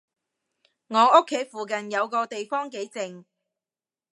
我屋企附近有個地方幾靜